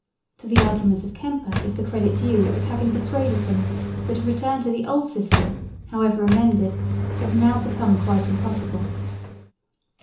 To the arguments of Kemper is the credit due of having persuaded him that a return to the old system, however amended, had now become impossible.